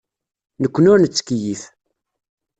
Nekkni ur nettkeyyif.